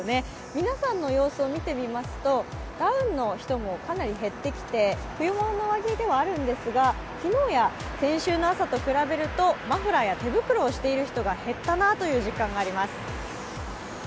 皆さんの様子を見てみますと、ダウンの人もかなり減ってきて冬物の上着ではあるんですが昨日や先週の朝と比べるとマフラーや手袋をしている人が減ったなという実感があります。